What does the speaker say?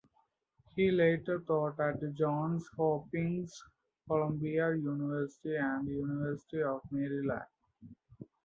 He later taught at Johns Hopkins, Columbia University, and the University of Maryland.